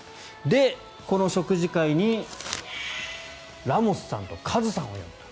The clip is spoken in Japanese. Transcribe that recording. で、この食事会にラモスさんとカズさんを呼んだ。